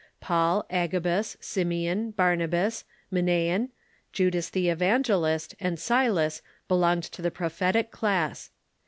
Paul, Agabus, Simeon, Barnabas, Manaen, Judas the Evangelist, and Silas belonged to the pro phetic class.